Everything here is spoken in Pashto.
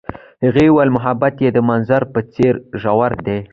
هغې وویل محبت یې د منظر په څېر ژور دی.